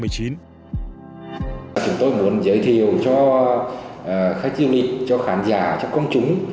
chúng tôi muốn giới thiệu cho khách du lịch cho khán giả cho công chúng